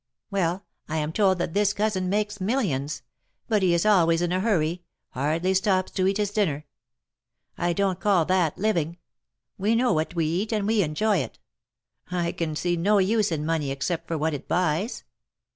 Well, I am told that this cousin makes millions; but he is always in a hurry — hardly stops to eat his dinner. I don't call that living! We know what we eat, and we enjoy it. I can see no use in money, except for what it buys.